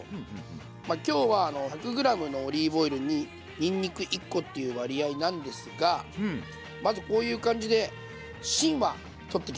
今日は１００ｇのオリーブオイルににんにく１コっていう割合なんですがまずこういう感じで芯は取っていきますね。